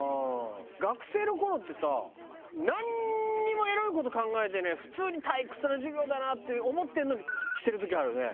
学生の頃ってさなんにもエロい事考えてない普通に退屈な授業だなって思ってるのにしてる時あるよね。